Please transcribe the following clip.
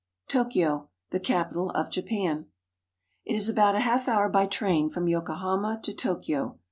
TOKYO, THE CAPITAL OF JAPAN IT is about a half hour by train from Yokohama to Tokyo.